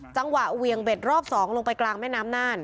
จังหวะเวียงเบ็ดรอบสองลงไปกลางแม่น้ำน่าน